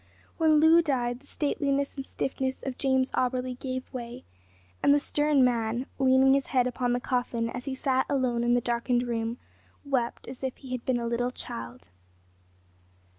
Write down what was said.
When Loo died the stateliness and stiffness of James Auberly gave way, and the stern man, leaning his head upon the coffin, as he sat alone in the darkened room, wept as if he had been a little child.